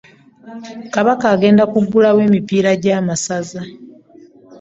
Kabaka agenda kugulawo emipiira gy'amasaza.